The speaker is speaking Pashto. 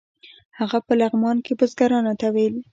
هغه په لغمان کې بزګرانو ته ویل.